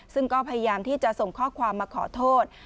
ซึ่งก็พยายามที่จะส่งข้อความมาขอโทษ